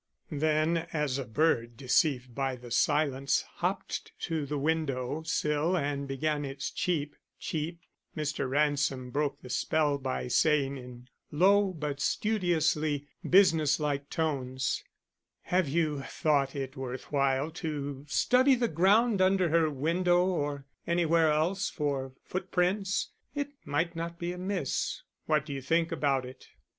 Then, as a bird, deceived by the silence, hopped to the window sill and began its cheep, "cheep," Mr. Ransom broke the spell by saying in low but studiously business like tones: "Have you thought it worth while to study the ground under her window or anywhere else for footprints? It might not be amiss; what do you think about it?"